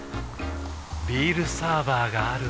ビールサーバーがある夏。